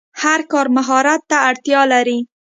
هر کار مهارت ته اړتیا لري.